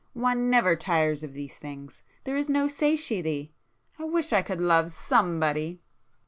One never tires of these things,—there is no satiety! I wish I could love somebody!"